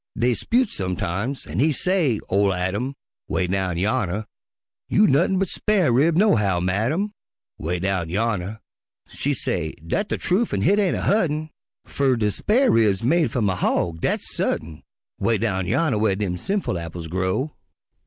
Dey 'spute sometimes an' he say, ol' Adam, ('Way down yonner) "You nuttin' but spar' rib, nohow, madam," ('Way down yonner) She say, "Dat de trufe an' hit ain' a hu't'n', Fer de spar' rib's made f'um a hawg, dat's sut'n," 'Way down yonner whar dem sinful apples grow.